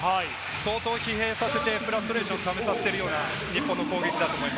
相当疲弊させて、フラストレーションを溜めさせてるような日本の攻撃です。